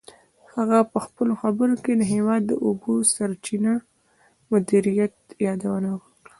هغه په خپلو خبرو کې د هېواد د اوبو سرچینو د مدیریت یادونه وکړه.